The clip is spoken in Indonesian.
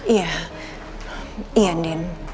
iya iya ndin